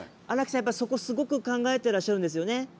やっぱりそこすごく考えてらっしゃるんですよね？